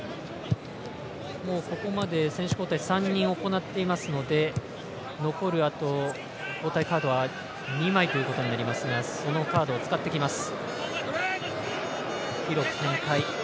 ここまで選手交代３人行っていますので残る交代カードは２枚ということになりますがそのカードを使ってきます。